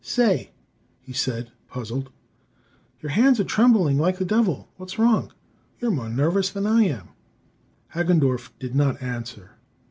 "Say," he said, puzzled, "your hands are trembling like the devil! What's wrong? You're more nervous than I am!" Hagendorff did not answer.